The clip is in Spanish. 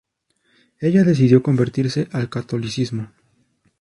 Ella decidió convertirse al catolicismo.